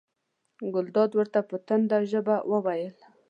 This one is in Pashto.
ګلداد ورته په تنده ژبه وویل.